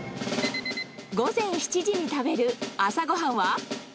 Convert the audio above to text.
午前７時に食べる朝ごはんは？